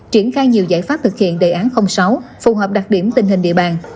triển khai nhiều giải pháp thực hiện đề án sáu phù hợp đặc điểm tình hình địa bàn